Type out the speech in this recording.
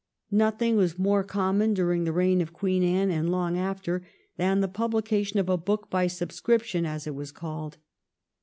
Nothing was more common during the reign of Queen Anne, and long after, than the publication of a book by subscription, as it was called.